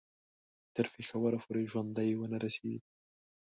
تر پېښوره پوري ژوندي ونه رسیږي.